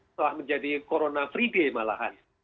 setelah menjadi corona free day malahan